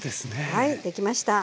はいできました。